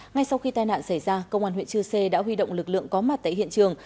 ngay sau khi tai nạn xảy ra công an huyện chư sê đã huy động lực lượng có mặt tại hiện trường